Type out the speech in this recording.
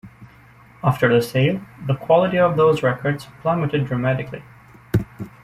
After the sale, the quality of those records plummeted dramatically.